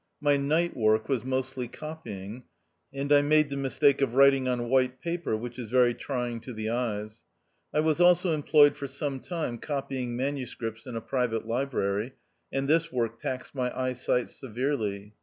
My night work was mostly copying, and I made the mistake of writing on white paper, which is very trying to the eyes ; I was also em ployed for some time copying manuscripts in a private library, and this work taxed my eye sight severely.